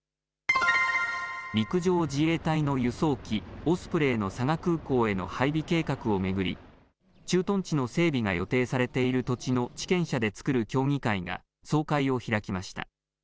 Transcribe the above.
陸上自衛隊の輸送機、オスプレイの佐賀空港への配備計画を巡り、駐屯地の整備が予定されている土地の地権者で作る協議会が総会を開きました。